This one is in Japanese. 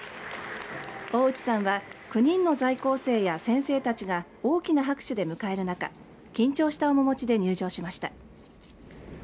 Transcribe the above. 大内さんは９人の在校生や先生たちが大きな拍手で迎える中緊張した面持ちで入場しました。